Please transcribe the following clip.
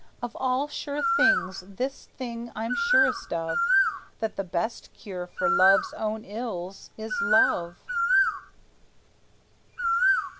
Of all sure things, this thing I'm surest of, That the best cure for love's own ills is love.